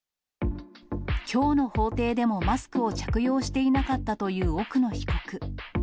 きょうの法廷でもマスクを着用していなかったという奥野被告。